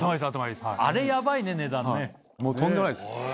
もうとんでもないです。